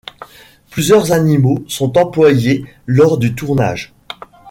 Plusieurs animaux sont employés lors du tournage.